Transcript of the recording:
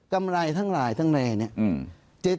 กำไรทั้งหลายทั้งในเนี่ย